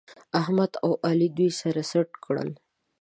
احمد او علي دوی سره سټ کړل